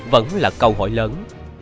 vẫn là câu hỏi lớn